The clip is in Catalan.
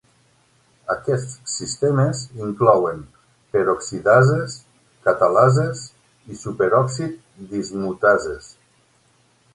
Aquests sistemes inclouen peroxidases, catalases i superòxid dismutases.